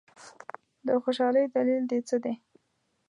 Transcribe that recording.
د خوشالۍ دلیل دي څه دی؟